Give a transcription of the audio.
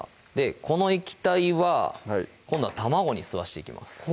この液体は今度は卵に吸わしていきます